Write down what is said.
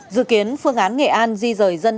dự kiến phương án nghệ an di rời dân